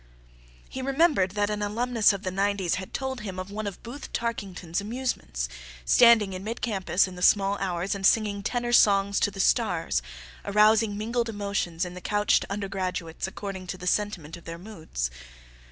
He remembered that an alumnus of the nineties had told him of one of Booth Tarkington's amusements: standing in mid campus in the small hours and singing tenor songs to the stars, arousing mingled emotions in the couched undergraduates according to the sentiment of their moods.